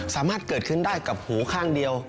สามารถเกิดขึ้นได้กับหูข้างเดียว